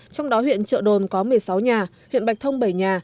trong đó huyện trợ đồn có một mươi sáu nhà huyện bạch thông bảy nhà